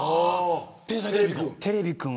天才てれびくん。